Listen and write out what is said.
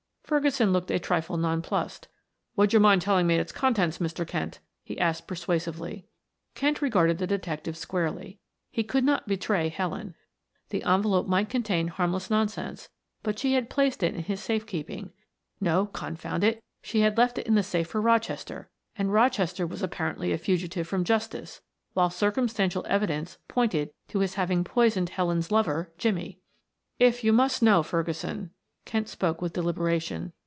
Ferguson looked a trifle non plussed. "Would you mind telling me its contents, Mr. Kent?" he asked persuasively. Kent regarded the detective squarely. He could not betray Helen, the envelope might contain harmless nonsense, but she had placed it in his safe keeping no, confound it, she had left it in the safe for Rochester and Rochester was apparently a fugitive from justice, while circumstantial evidence pointed to his having poisoned Helen's lover, Jimmie... "If you must know, Ferguson," Kent spoke with deliberation.